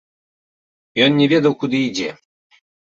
Ён не ведаў, куды ідзе.